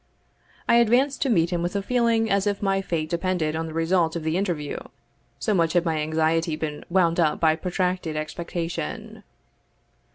I advanced to meet him with a feeling as if my fate depended on the result of the interview, so much had my anxiety been wound up by protracted expectation.